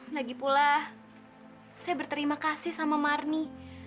lagipula saya berterima kasih sama marni